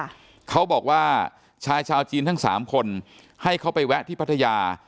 เขาบอกว่าชายชาวจีนทั้งสามคนให้เขาไปแวะที่พัทยา